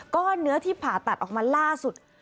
เนื้อที่ผ่าตัดออกมาล่าสุด